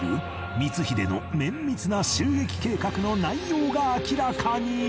光秀の綿密な襲撃計画の内容が明らかに！